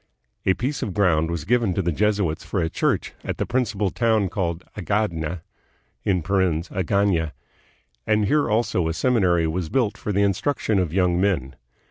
A piece of ground was given the Jesuits for a church at the principal town called Agadna (Agaiia), and here also a seminary was built for the instruction of young men.